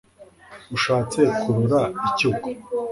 ushatse kurora iki ubwo